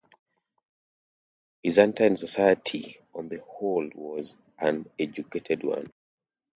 Byzantine society on the whole was an educated one.